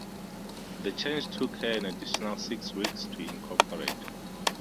The change took her an additional six weeks to incorporate.